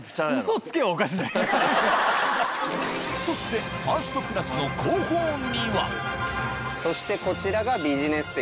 そしてそしてこちらが。